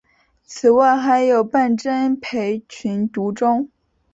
此外还有笨珍培群独中。